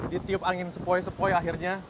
ditiup angin sepoi sepoi akhirnya